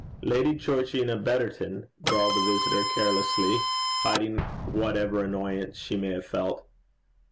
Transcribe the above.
'Lady Georgina Betterton,' drawled the visitor carelessly, hiding whatever annoyance she may have felt.